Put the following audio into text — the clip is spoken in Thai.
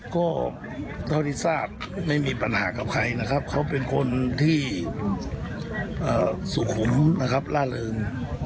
ก็เท่าที่ทราบไม่มีปัญหากับใครนะครับเขาเป็นคนที่สุขุมนะครับล่าเริง